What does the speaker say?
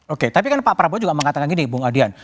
oke tapi kan pak prabowo juga mengatakan gini bung adian